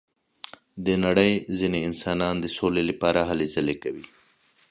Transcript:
د نړۍ ځینې انسانان د سولې لپاره هلې ځلې کوي.